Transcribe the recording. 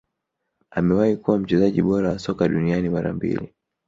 Amewahi kuwa mchezaji bora wa soka duniani mara mbili